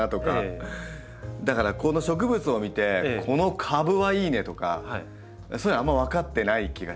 だからこの植物を見てこの株はいいねとかそういうのはあんま分かってない気がして。